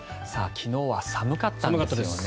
昨日は寒かったですよね。